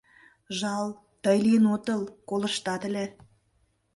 Жал, тый лийын отыл, колыштат ыле.